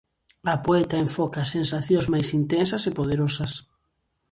A poeta enfoca as sensacións máis intensas e poderosas.